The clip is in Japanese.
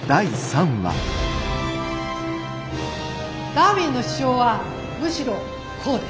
ダーウィンの主張はむしろこうです。